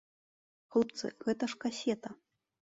Хлопцы, гэта ж касета.